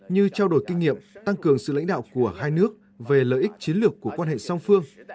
như trao đổi kinh nghiệm tăng cường sự lãnh đạo của hai nước về lợi ích chiến lược của quan hệ song phương